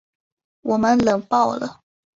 我们冷爆了